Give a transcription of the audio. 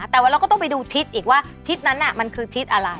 แต่ว่าเราก็ต้องไปดูทิศอีกว่าทิศนั้นมันคือทิศอะไร